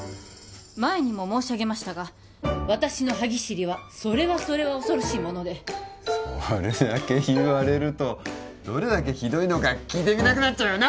前にも申し上げましたが私の歯ぎしりはそれはそれは恐ろしいものでそれだけ言われるとどれだけひどいのか聞いてみたくなっちゃうよな